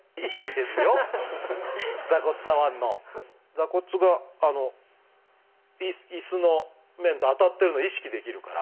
座骨があの椅子の面と当たってるの意識できるから。